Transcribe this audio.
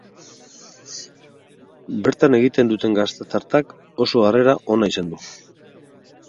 Bertan egiten duten gazta tartak oso harrera ona izan du.